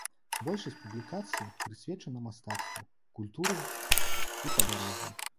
Большасць публікацый прысвечана мастацтву, культуры і падарожжам.